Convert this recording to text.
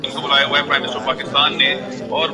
کہ کوئی حکم نہیں لگایا جائے گا